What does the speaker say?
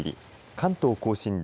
関東甲信で